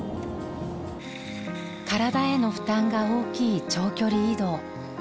体への負担が大きい長距離移動。